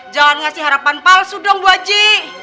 jangan ngasih harapan palsu dong bu aji